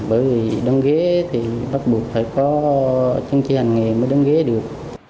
bởi vì đăng ghế thì bắt buộc phải có chứng chỉ hành nghề mới đăng ghế được